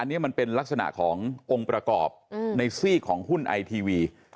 อันนี้มันเป็นลักษณะขององค์ประกอบในซีกของหุ้นไอทีวี